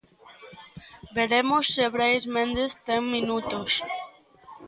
Veremos se Brais Méndez ten minutos.